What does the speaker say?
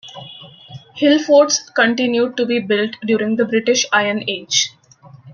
Hillforts continued to be built during the British Iron Age.